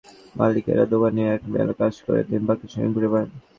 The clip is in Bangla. অন্যদিকে গ্যাস স্টেশনের মালিকেরা দোকানে একবেলা কাজ করে দিনের বাকি সময় ঘুরে বেড়ান।